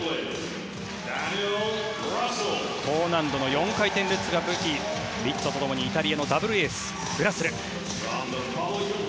高難度の４回転ルッツが武器リッツォと共にイタリアのダブルエース、グラスル。